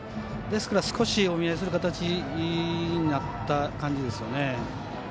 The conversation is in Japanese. ですから、少しお見合いする形になった感じですね。